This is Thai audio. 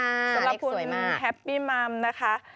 สำหรับคุณแฮปปี้มัมนะคะ